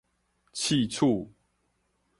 刺鼠